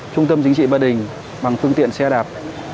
trung tâm chính trị ba đình bằng phương tiện xe đạp